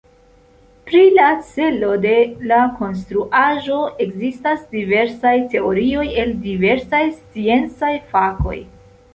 Pri la celo de la konstruaĵo ekzistas diversaj teorioj el diversaj sciencaj fakoj.